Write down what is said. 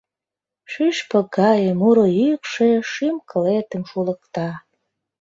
Шӱшпык гае муро йӱкшӧ шӱм-кылетым шулыкта.